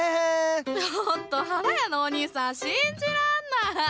ちょっと花屋のおにいさん信じらんない！